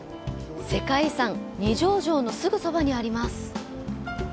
世界遺産・二条城のすぐそばにあります。